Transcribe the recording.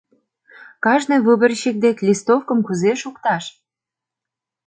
Кажне выборщик дек листовкым кузе шукташ?